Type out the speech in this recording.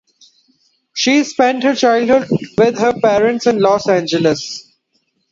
She spent her childhood with her parents in Los Angeles.